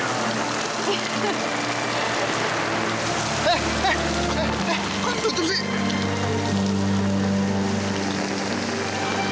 eh eh eh kok tutup sih